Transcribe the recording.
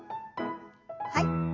はい。